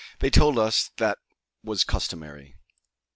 They told us that was Customary.